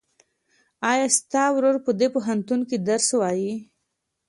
ایا ستا ورور په دې پوهنتون کې درس وایي؟